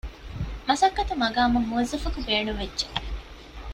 މަސައްކަތު މަޤާމަށް މުވައްޒަފަކު ބޭނުންވެއްޖެ